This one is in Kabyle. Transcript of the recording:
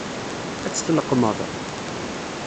Ad tt-tleqqmeḍ?